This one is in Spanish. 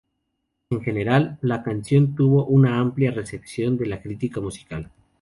En general, la canción tuvo una amplia recepción de la crítica musical.